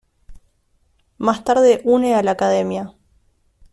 Más tarde une a la academia.